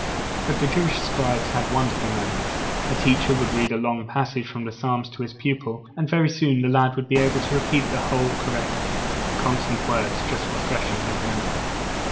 But the Jewish scribes had wonderful memories. A teacher would read a long passage from the Psalms to his pupil, and very soon the lad would be able to repeat the whole correctly, the consonant words just refreshing his memory.